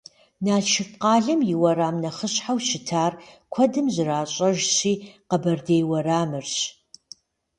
Налшык къалэм и уэрам нэхъыщхьэу щытар, куэдым зэращӏэжщи, Къэбэрдей уэрамырщ.